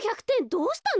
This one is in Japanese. どうしたの？